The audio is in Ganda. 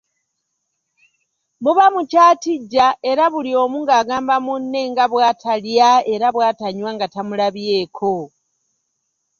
Muba mukyatijja era buli omu ng'agamba munne nga bwatalya era bw'atanywa nga tamulabyeko.